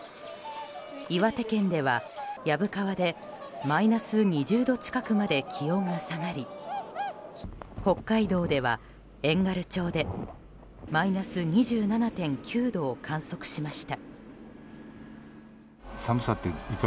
岩手県では薮川でマイナス２０度近くまで気温が下がり北海道では、遠軽町でマイナス２７．９度を観測しました。